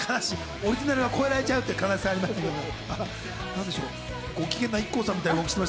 オリジナルが越えられちゃうっていう悲しさがありましたけどね。